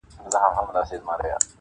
مینه وړي یوه مقام لره هر دواړه,